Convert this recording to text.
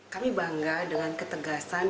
kami bangga dengan ketegasan